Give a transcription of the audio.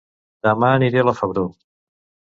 Dema aniré a La Febró